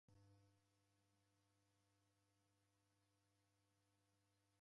Naw'eakunda kuw'uya nyumbenyi.